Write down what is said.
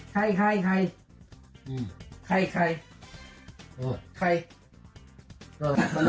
ใครใครใครใครใครใคร